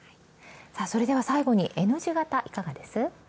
それでは最後に、Ｎ字型いかがです。